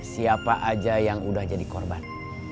siapa aja yang udah jadi korban